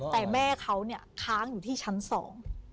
แต่แม่เขาเนี่ยค้างอยู่ที่ชั้นสอง